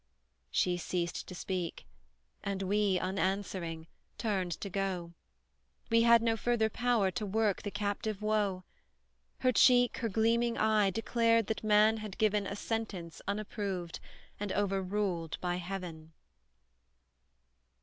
She ceased to speak, and we, unanswering, turned to go We had no further power to work the captive woe: Her cheek, her gleaming eye, declared that man had given A sentence, unapproved, and overruled by Heaven.